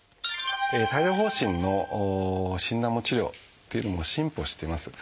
帯状疱疹の診断も治療っていうのも進歩しています。